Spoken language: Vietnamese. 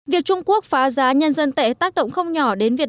việc trung quốc phá giá nhân dân tệ tác động không nhỏ